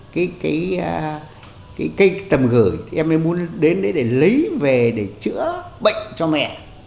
cái cây tầm gửi thì em mới muốn đến đấy để lấy về để chữa bệnh cho mẹ